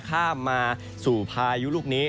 ข้ามมาสู่พายุลูกนี้